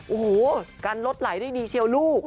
อูหูกันลดไหลด้รานดีเชียวลูก